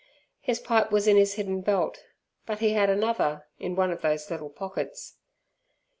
His pipe was in his hidden belt, but he had another in one of those little pockets.